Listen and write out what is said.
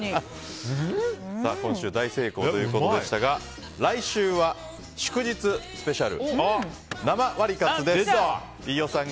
今週大成功ということでしたが来週は祝日スペシャル。